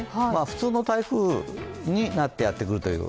普通の台風になってやってくるという。